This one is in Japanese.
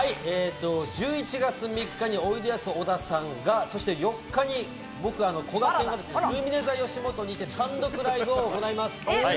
１１月３日においでやす小田さんが、そして４日に僕、こがけんが、ルミネｔｈｅよしもとにて単独ライブを行います。